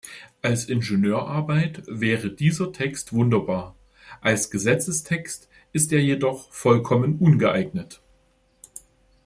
Als Ingenieurarbeit wäre dieser Text wunderbar, als Gesetzestext ist er jedoch vollkommen ungeeignet.